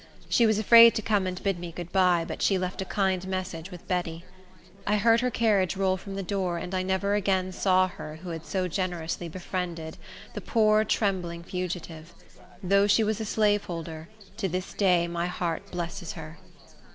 She was afraid to come and bid me good by, but she left a kind message with Betty. I heard her carriage roll from the door, and I never again saw her who had so generously befriended the poor, trembling fugitive! Though she was a slaveholder, to this day my heart blesses her!